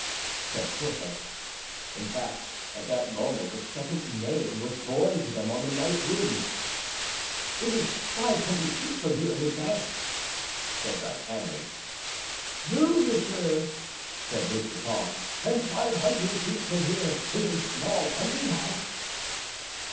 said Porthos. In fact, at that moment a second neighing was borne to them on the night wind. "It is five hundred feet from here, in advance," said D'Artagnan. "True, monsieur," said Mousqueton; "and five hundred feet from here is a small hunting house."